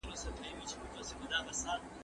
که غواړې تازه هوا واخلې نو غره ته لاړ شه.